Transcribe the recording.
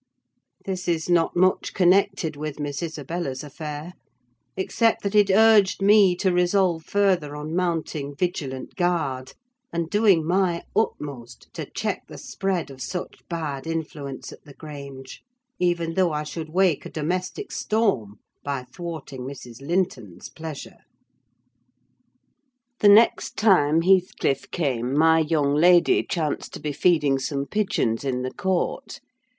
This is not much connected with Miss Isabella's affair: except that it urged me to resolve further on mounting vigilant guard, and doing my utmost to check the spread of such bad influence at the Grange: even though I should wake a domestic storm, by thwarting Mrs. Linton's pleasure. The next time Heathcliff came my young lady chanced to be feeding some pigeons in the court.